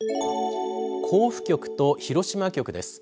甲府局と広島局です。